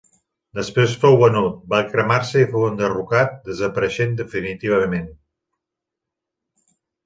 Després fou venut, va cremar-se i fou enderrocat, desapareixent definitivament.